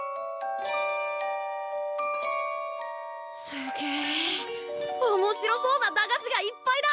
すげえおもしろそうな駄菓子がいっぱいだ！